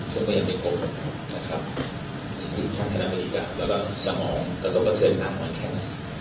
ซึ่งไม่ยังได้โกนและสมองก็เคลื่อนครามหวานแขล้ง